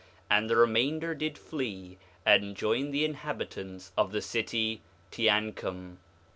4:3 And the remainder did flee and join the inhabitants of the city Teancum.